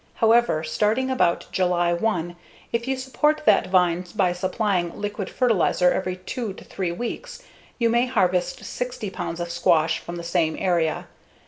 However, starting about July 1, if you support that vine by supplying liquid fertilizer every two to three weeks you may harvest 60 pounds of squash from the same area.